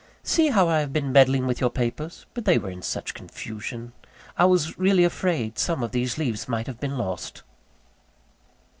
See how I have been meddling with your papers; but they were in such confusion I was really afraid some of these leaves might have been lost."